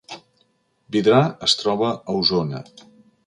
Vidrà es troba a Osona